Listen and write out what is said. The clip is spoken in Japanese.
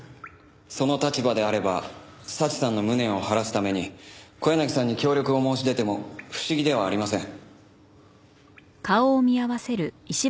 その立場であれば早智さんの無念を晴らすために小柳さんに協力を申し出ても不思議ではありません。